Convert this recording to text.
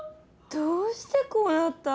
どうしてこうなった？